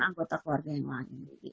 anggota keluarga yang lain